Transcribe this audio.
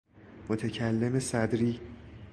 متکلم صدری